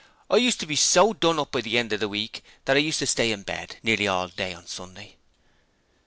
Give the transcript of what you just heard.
I used to be so done up by the end of the week that I used to stay in bed nearly all day on Sunday.'